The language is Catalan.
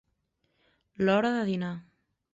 L'hora de dinar.